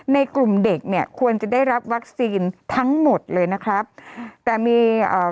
ในกลุ่มเด็กเนี่ยควรจะได้รับวัคซีนทั้งหมดเลยนะครับแต่มีเอ่อ